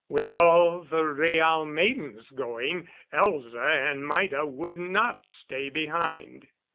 With all the Rhaal maidens going, Elza and Maida would not stay behind.